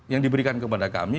yang diberikan kepada kami